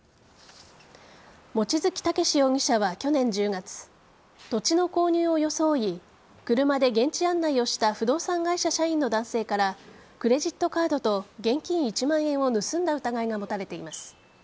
望月健志容疑者は去年１０月土地の購入を装い車で現地案内をした不動産会社社員の男性からクレジットカードと現金１万円を盗んだ疑いが持たれています。